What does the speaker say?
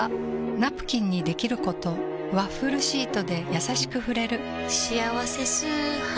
ナプキンにできることワッフルシートでやさしく触れる「しあわせ素肌」